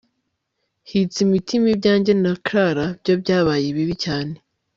yitsa imitima ibyanjye na Clara byo byabaye bibi cyane